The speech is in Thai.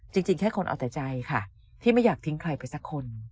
จริงแค่คนเอาแต่ใจค่ะที่ไม่อยากทิ้งใครไปสักคน